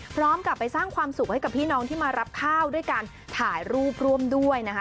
พร้อมกับไปสร้างความสุขให้กับพี่น้องที่มารับข้าวด้วยการถ่ายรูปร่วมด้วยนะคะ